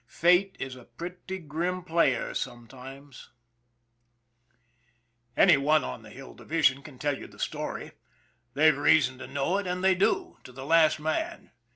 Fate is a pretty grim player sometimes. 156 ON THE IRON AT BIG CLOUD Any one on the Hill Division can tell you the story they've reason to know it, and they do to the last man.